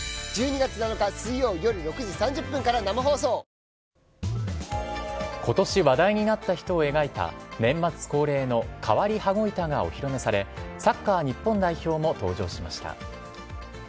へぇことし話題になった人を描いた年末恒例の変わり羽子板がお披露目され、サッカー日本代表も登場しました。